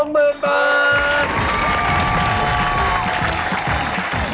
สุดท้ายครับ